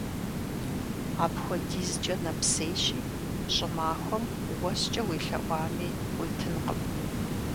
Апхуэдизкӏэ нэпсейщи, щӏымахуэм уэскӏэ уелъэӏуами къыуитынкъым.